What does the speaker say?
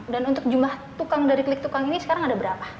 dan untuk jumlah tukang dari klik tukang ini sekarang ada berapa